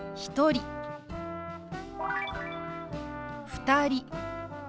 「２人」。